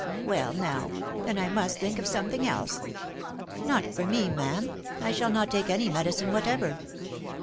" Well now ! then I must think of something else." " Not for me, ma'am, I shall not take any medicine whatever."